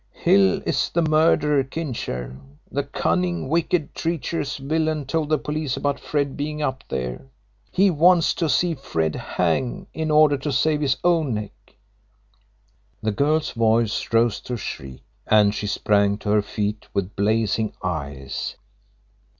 Hill is the murderer, Kincher. The cunning, wicked, treacherous villain told the police about Fred being up there. He wants to see Fred hang in order to save his own neck." The girl's voice rose to a shriek, and she sprang to her feet with blazing eyes.